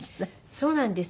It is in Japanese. そうなんです。